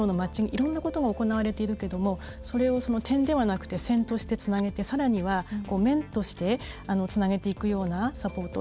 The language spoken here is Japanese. いろんなことが行われているけれどもそれを点ではなくて線としてつなげて、さらには面としてつなげていくようなサポート